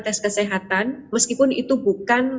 tes kesehatan meskipun itu bukan